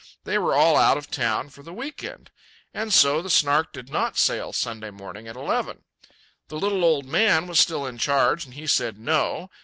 They were all out of town for the weekend. And so the Snark did not sail Sunday morning at eleven. The little old man was still in charge, and he said no.